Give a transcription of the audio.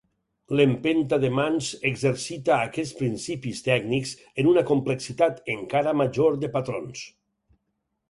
L"empenta de mans exercita aquests principis tècnics en una complexitat encara major de patrons.